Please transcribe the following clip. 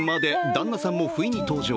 旦那さんも不意に登場。